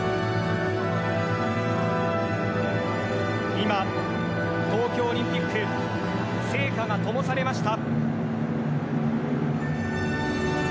今、東京オリンピック聖火がともされました。